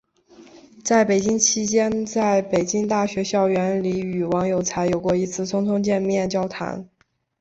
在北京期间在北京大学校园里与王有才有过一次匆匆见面交谈。